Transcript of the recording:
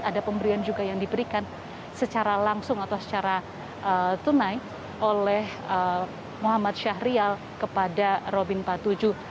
ada pemberian juga yang diberikan secara langsung atau secara tunai oleh muhammad syahrial kepada robin patujuh